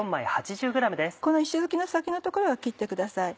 この石づきの先の所は切ってください。